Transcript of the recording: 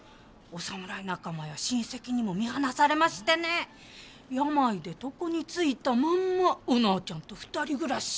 お侍仲間や親戚にも見放されましてね病で床についたまんまお直ちゃんと２人暮らし。